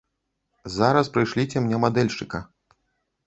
Зараз прышліце мне мадэльшчыка.